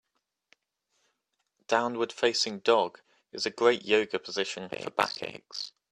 Downward facing dog is a great Yoga position for back aches.